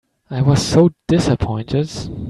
I was so dissapointed.